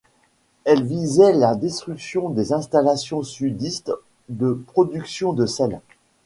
Elle visait la destruction des installations sudistes de production de sel.